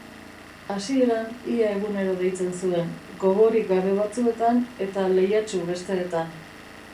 Hasieran ia egunero deitzen zuen, gogorik gabe batzuetan eta lehiatsu besteetan.